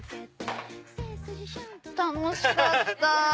楽しかった！